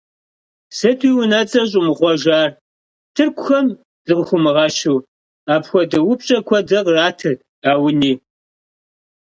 – Сыт уи унэцӀэр щӀумыхъуэжар, тыркухэм закъыхыумыгъэщу? – апхуэдэ упщӀэ куэдрэ къратырт Ауни.